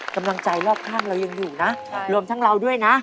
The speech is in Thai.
กำลังใจรอบข้างเรายังอยู่นะรวมทั้งเราด้วยนะ